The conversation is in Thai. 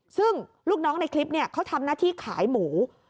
ซึ่งลูกน้องในคลิปเขาทำหน้าที่ขายหมู